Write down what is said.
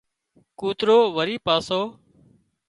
ڪوترو وري پاسو